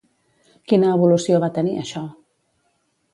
Quina evolució va tenir això?